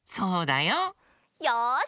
よし！